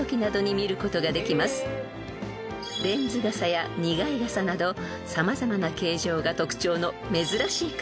［レンズ笠やにがい笠など様々な形状が特徴の珍しい雲］